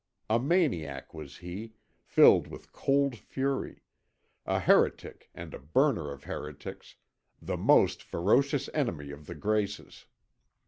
A maniac was he, filled with cold fury, a heretic and a burner of heretics, the most ferocious enemy of the Graces.